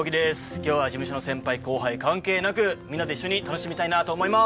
今日は事務所の先輩後輩関係なくみんなで一緒に楽しみたいなと思います。